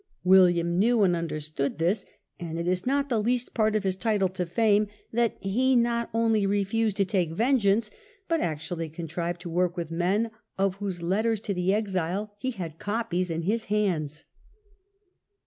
William knew and understood this, and it is not the least part of his title to fame that he not only refused to take vengeance, but actually contrived to work with men of whose letters to the exile he had copies in his hands.